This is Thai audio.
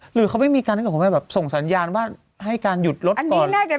หรือเขาไม่มีการส่งสัญญาณว่าให้การหยุดรถก่อน